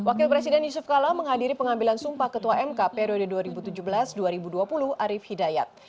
wakil presiden yusuf kala menghadiri pengambilan sumpah ketua mk periode dua ribu tujuh belas dua ribu dua puluh arief hidayat